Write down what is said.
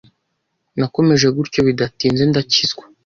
nakomeje gutyo bidatinze ndakizwa,